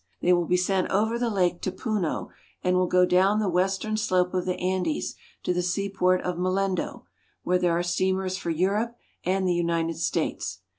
They will be sent over the lake to Puno and will go down the western slope of the Andes to the seaport of Mollendo, where there are steamers for Europe and the United States.